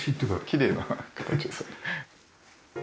きれいな形ですよね。